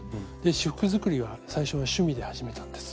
仕覆作りは最初は趣味で始めたんです。